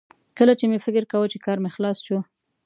کله چې مې فکر کاوه چې کار مې خلاص شو